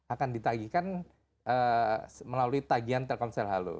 akan ditagihkan melalui tagihan telkomsel halo